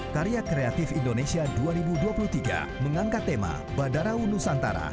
karya kreatif indonesia dua ribu dua puluh tiga mengangkat tema badarau nusantara